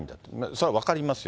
それは分かりますよ。